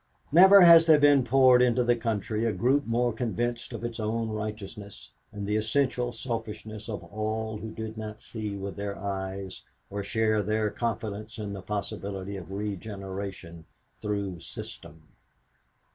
Never has there poured into the country a group more convinced of its own righteousness and the essential selfishness of all who did not see with their eyes or share their confidence in the possibility of regeneration through system.